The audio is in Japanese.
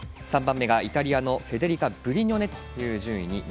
３番目がイタリアのフェデリカ・ブリニョネです。